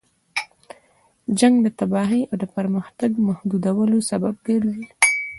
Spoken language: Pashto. جنګ د تباهۍ او د پرمختګ محدودولو سبب ګرځي.